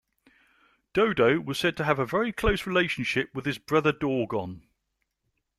Dodo was said to have a very close relationship with his brother Dorgon.